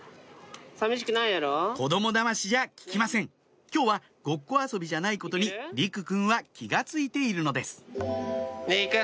子供だましじゃききません今日はごっこ遊びじゃないことに莉来くんは気が付いているのです莉来。